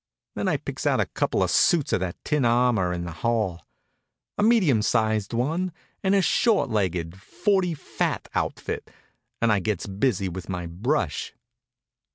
Then I picks out a couple of suits of that tin armor in the hall, a medium sized one, and a short legged, forty fat outfit, and I gets busy with my brush.